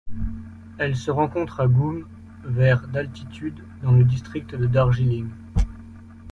Elle se rencontre à Ghum vers d'altitude dans le district de Darjeeling.